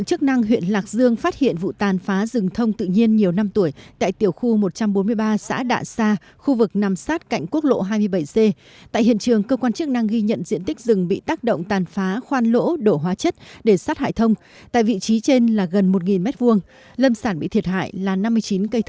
ubnd huyện lạc dương đã ban hành quyết định xử phạt vi phá rừng trái pháp luật